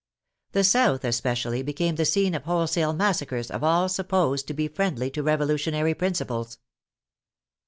The South, especially, became the scene of wholesale massacres of all supposed to be friendly to revolutionary principles.